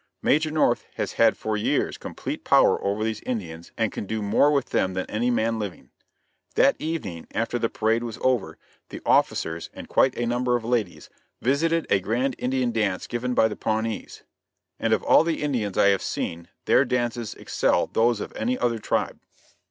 Major North, has had for years complete power over these Indians and can do more with them than any man living. That evening after the parade was over the officers and quite a number of ladies visited a grand Indian dance given by the Pawnees, and of all the Indians I have seen, their dances excel those of any other tribe.